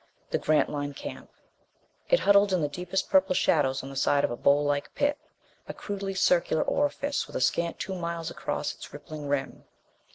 The Grantline camp! It huddled in the deepest purple shadows on the side of a bowl like pit, a crudely circular orifice with a scant two miles across its rippling rim.